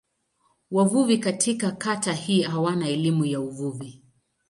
Wavuvi katika kata hii hawana elimu ya uvuvi.